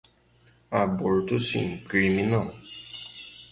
Aborto sim, crime não